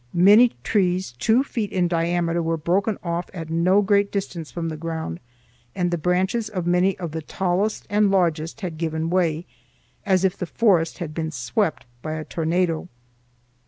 Many trees two feet in diameter were broken off at no great distance from the ground, and the branches of many of the tallest and largest had given way, as if the forest had been swept by a tornado.